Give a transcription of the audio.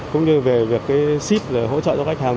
cũng như về việc xít hỗ trợ cho khách hàng